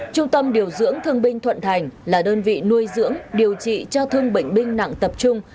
trung tâm điều dưỡng thương binh thuận thành là đơn vị nuôi dưỡng điều trị cho thương bệnh binh nặng tập trung